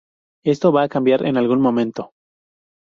Esto va a cambiar en algún momento.